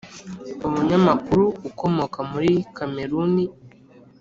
umunyamakuru ukomoka muri kameruni,